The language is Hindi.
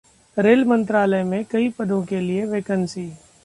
रेल मंत्रालय में कई पदों के लिए वैकेंसी